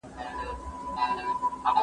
زه د ښوونځی لپاره امادګي نيولی دی!